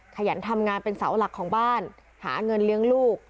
ขยันทำงานเป็นเสาหลักของบ้านหาเงินเลี้ยงลูก